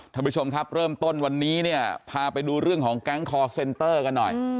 ท่านผู้ชมครับเริ่มต้นวันนี้เนี่ยพาไปดูเรื่องของแก๊งคอร์เซ็นเตอร์กันหน่อย